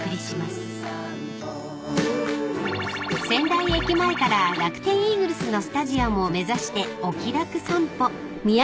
［仙台駅前から楽天イーグルスのスタジアムを目指してお気楽散歩］